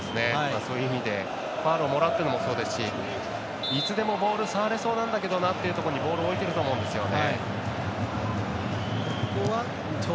そういう意味で、ファウルをもらうというのもそうですしいつでもボール触れそうなんだけどなっていうところにボールを置いてると思うんですよね。